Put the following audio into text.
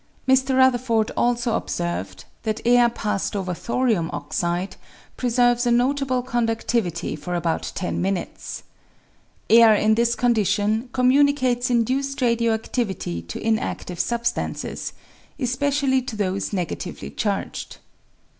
Mr. Rutherford also observed that air passed over thorium oxide preserves a notable condudivity for about ten minutes. Air in this condition communicates induced radio adivity to inadive substances, especially to those negatively charged.